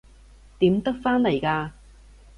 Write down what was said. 點得返嚟㗎？